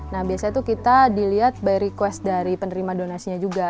nah biasanya itu kita dilihat by request dari penerima donasinya juga